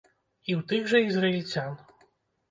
І ў тых жа ізраільцян.